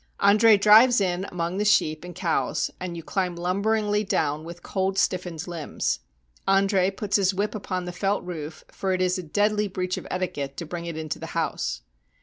Andre drives in among the sheep and cows, and you climb lumberingly down with cold stiffened limbs. Andre puts his whip upon the felt roof, for it is a deadly breach of etiquette to bring it into the house.